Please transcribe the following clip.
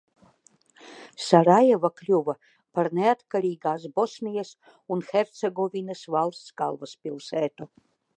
Pamatojoties uz Deitonas līgumu, Sarajeva kļuva par neatkarīgās Bosnijas un Hercegovinas valsts galvaspilsētu.